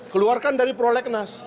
keluarkan dari prolegnas